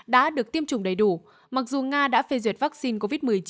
đã được tiêm chủng đầy đủ mặc dù nga đã phê duyệt vaccine covid một mươi chín